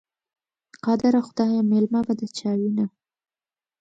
قادره خدایه، مېلمنه به د چا وینه؟